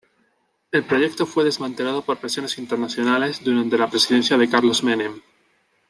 El proyecto fue desmantelado por presiones internacionales, durante la presidencia de Carlos Menem.